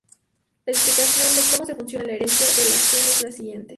La explicación de cómo se funciona la herencia de la gen es la siguiente.